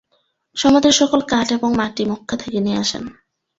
সমাধির সকল কাঠ এবং মাটি মক্কা থেকে নিয়ে আসেন।